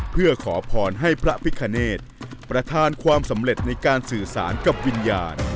เพื่อขอพรให้พระพิคเนธประธานความสำเร็จในการสื่อสารกับวิญญาณ